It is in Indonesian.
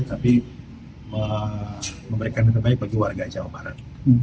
tapi memberikan yang terbaik bagi warga jawa barat